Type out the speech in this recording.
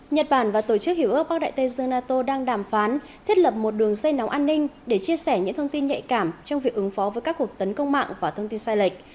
nhật bản và tổ chức hiểu ước bắc đại tây dương nato đang đàm phán thiết lập một đường dây nóng an ninh để chia sẻ những thông tin nhạy cảm trong việc ứng phó với các cuộc tấn công mạng và thông tin sai lệch